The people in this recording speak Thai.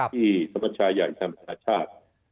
ที่ธรรมชาติใหญ่ธรรมชาติ